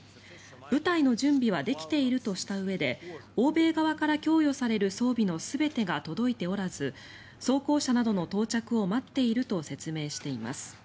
部隊の準備はできているとしたうえで欧米側から供与される装備の全てが届いておらず装甲車などの到着を待っていると説明しています。